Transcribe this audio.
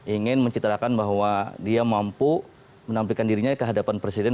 ingin mencitrakan bahwa dia mampu menampilkan dirinya ke hadapan presiden